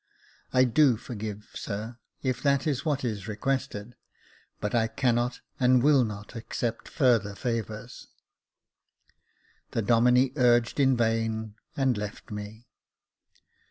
*' I do forgive, sir, if that is what is requested j but I cannot, and will not accept of further favours." Jacob Faithful 189 The Domine urged in vain, and left me.